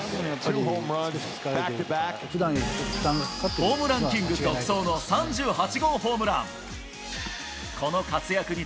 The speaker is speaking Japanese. ホームランキング独走の３８号ホームラン。